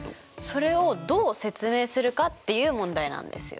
それをどう説明するかっていう問題なんですよ。